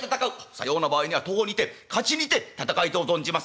「さような場合には徒歩にて徒にて戦いとう存じます」。